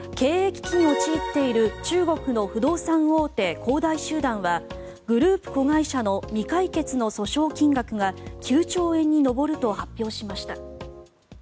経営危機に陥っている中国の不動産大手、恒大集団はグループ子会社の未解決の訴訟金額が９兆円に上ると発表しました。